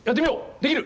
できる！